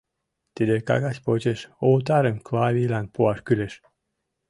Тиде кагаз почеш отарым Клавийлан пуаш кӱлеш.